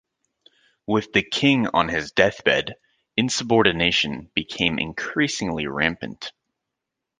With the king on his deathbed, insubordination became increasingly rampant.